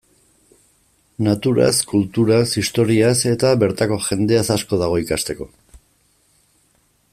Naturaz, kulturaz, historiaz, eta bertako jendeaz asko dago ikasteko.